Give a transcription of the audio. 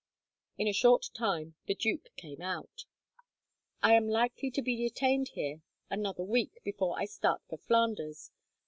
In a short time, the duke came out. "I am likely to be detained here another week, before I start for Flanders.